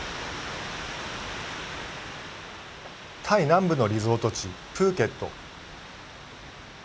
タイ南部のリゾート地プーケット。